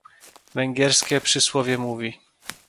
Węgierskie przysłowie mówi